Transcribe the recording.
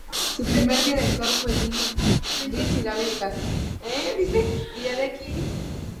Su primer director fue el Ing. Luis Hidalgo y Castro.